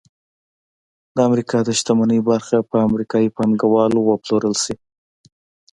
د امریکا د شتمنۍ برخه په امریکايي پانګوالو وپلورل شي